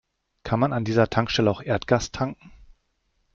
Kann man an dieser Tankstelle auch Erdgas tanken?